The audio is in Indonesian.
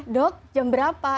dok jam berapa